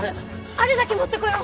あるだけ持ってこよう！